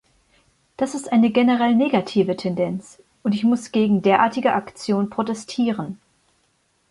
Das ist eine generell negative Tendenz, und ich muss gegen derartige Aktionen protestieren.